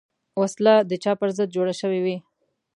وسله د چا پر ضد جوړه شوې وي